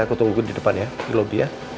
aku tunggu di depan ya di lobby ya